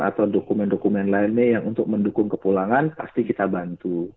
atau dokumen dokumen lainnya yang untuk mendukung kepulangan pasti kita bantu